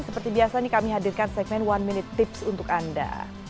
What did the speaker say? seperti biasa kami hadirkan segmen one minute tips untuk anda